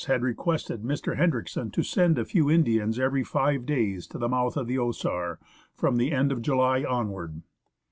had requested Mr. Hendriksen to send a few Indians every five days to the mouth of the Osar, from the end of July onward.